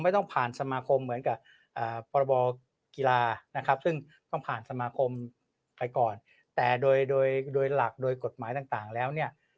ไม่ต้องผ่านสมาคมเหมือนกับปรบกีฬาซึ่งต้องผ่านสมาคมไปก่อนแต่โดยหลักโดยกฎหมายต่างแล้ว